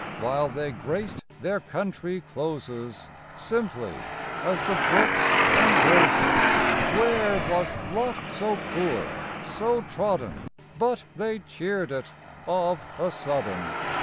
While they graced their country closes Simply as the brooks and roses, Where was lot so poor, so trodden, But they cheered it of a sudden?